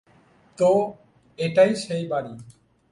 তো, এটাই সেই বাড়ি!